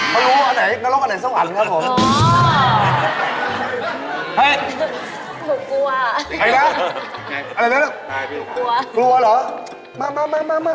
ไม่รู้อันไหนนรกอันไหนสวรรค์ครับผม